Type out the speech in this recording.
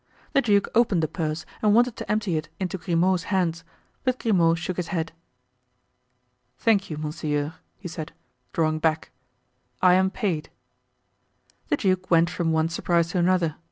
The duke opened the purse and wanted to empty it into Grimaud's hands, but Grimaud shook his head. "Thank you, monseigneur," he said, drawing back; "I am paid." The duke went from one surprise to another.